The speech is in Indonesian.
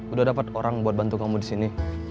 udah dapet orang buat bantu kamu disini